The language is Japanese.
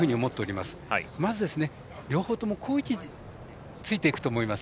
まず、両方とも好位置についていくと思います。